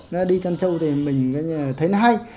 nó đi chân trâu thì mình thấy nó hay